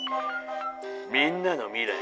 みんなの未来